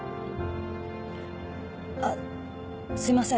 あっすいません